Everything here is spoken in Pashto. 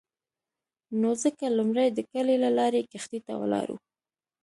نو ځکه لومړی د کلي له لارې کښتۍ ته ولاړو.